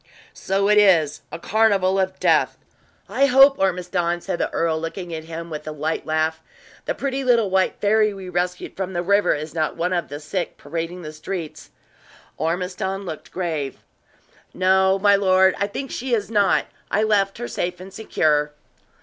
"So it is a carnival of death! I hope, Ormiston," said the earl, looking at him with a light laugh, "the pretty little white fairy we rescued from the river is not one of the sick parading the streets." Ormiston looked grave. "No, my lord, I think she is not. I left her safe and secure."